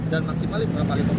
dan maksimalnya berapa